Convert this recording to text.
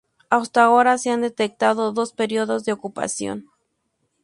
Hasta ahora se han detectado dos periodos de ocupación.